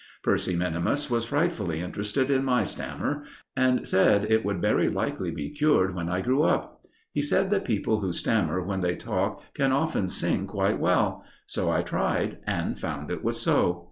Percy minimus was frightfully interested in my stammer, and said it would very likely be cured when I grew up. He said that people who stammer when they talk can often sing quite well; so I tried and found it was so.